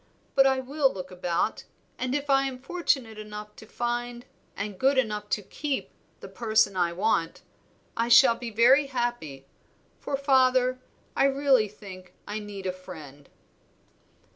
But I will look about, and if I am fortunate enough to find and good enough to keep the person I want, I shall be very happy; for, father, I really think I need a friend."